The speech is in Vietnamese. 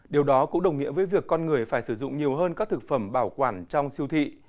điều đó cũng đồng nghĩa với việc con người phải sử dụng nhiều hơn các thực phẩm bảo quản trong siêu thị